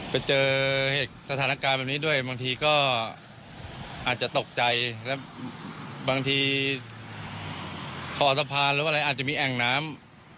ไปเจอสถานการณ์แบบนี้ด้วยบางทีก็อาจจะตกใจแล้วบางทีคอสะพานหรือว่าอะไรอาจจะมีแอ่งน้ำ